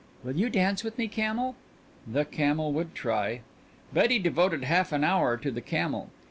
"Will you dance with me, camel?" The camel would try. Betty devoted half an hour to the camel.